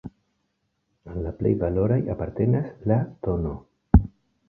Al la plej valoraj apartenas la tn.